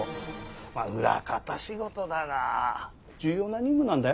まあ裏方仕事だが重要な任務なんだよ。